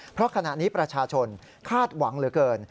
เพราะขณะนี้ประชาชนคาดหวังเหลือเกิน